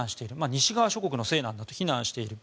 西側諸国のせいなんだと非難している。